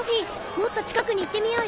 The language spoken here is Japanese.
もっと近くに行ってみようよ。